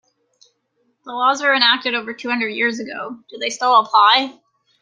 The laws were enacted over two hundred years ago, do they still apply?